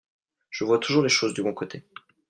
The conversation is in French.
Je vois toujours les choses du bon côté.